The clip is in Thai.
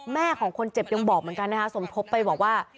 แม่ของคนเจ็บยังบอกเหมือนกันนะคะสมทบไปบอกว่า